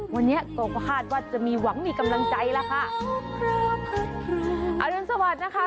วันนี้ก็คาดว่าจะมีหวังมีกำลังใจแล้วค่ะครับอรุณสวัสดิ์นะคะ